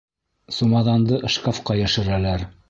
Сумаҙанды шкафҡа йәшерәләр.